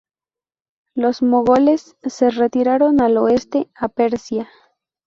Los ‘mogoles’ se retiraron al oeste, a Persia.